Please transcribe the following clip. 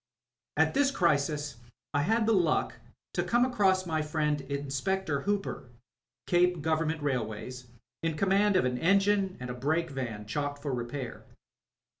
At this crisis I had the luck to come across my friend Inspector Hooper, Cape Grovemment Railways, in conmiand of an engine and a brake van chalked for repair.